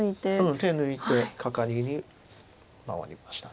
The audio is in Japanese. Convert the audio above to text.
手抜いてカカリに回りました。